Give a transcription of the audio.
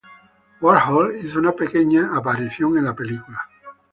Warhol hizo una pequeña aparición en la película.